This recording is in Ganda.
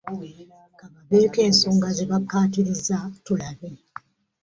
Ka babeeko ensonga ze bakkaatiriza tulabe.